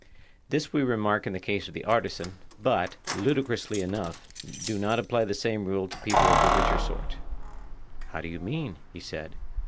This we remark in the case of the artisan, but, ludicrously enough, do not apply the same rule to people of the richer sort. How do you mean? he said.